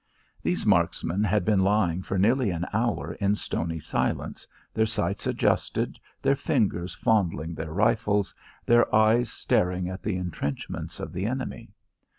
These marksmen had been lying for nearly an hour in stony silence, their sights adjusted, their fingers fondling their rifles, their eyes staring at the intrenchments of the enemy.